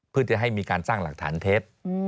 เพื่อจะให้มีการสร้างหลักฐานเท็จ